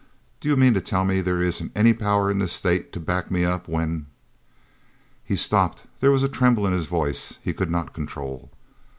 Do you mean to tell me there isn't any power in this state to back me up when—" He stopped. There was a tremble in his voice he could not control.